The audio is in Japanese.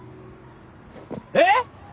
えっ！？